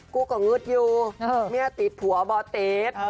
กูกับงืดยูเมียติดผัวบ่อติด